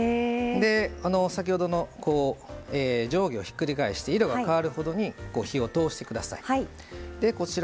先ほどの上下をひっくり返して色が変わるほどに火を通してください。